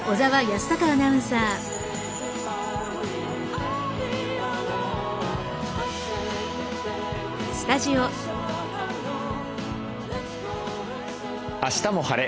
「あしたも晴れ！